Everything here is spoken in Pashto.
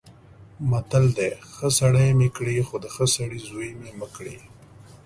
متل دی: ښه سړی مې کړې خو د ښه سړي زوی مې مه کړې.